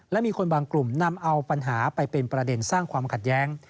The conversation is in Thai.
และมีคนบางกลุ่มนำเอาปัญหาไปเป็นประเด็นสร้างความขัดแย้ง